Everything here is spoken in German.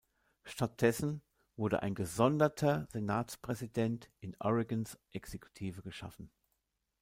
Stattdessen wurde ein gesonderter Senatspräsident in Oregons Exekutive geschaffen.